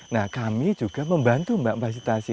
nah kami juga membantu mbak fasitasi